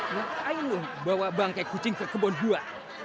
ngapain lo bawa bangke kucing ke kebun gua